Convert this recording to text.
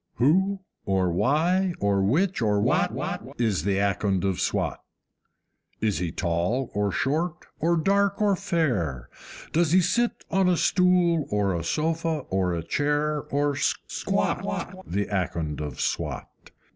Who, or why, or which, or what, Is the Akond of SWAT? Is he tall or short, or dark or fair? Does he sit on a stool or a sofa or chair, or SQUAT, The Akond of Swat?